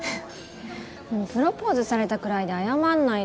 もうプロポーズされたくらいで謝んないでよ。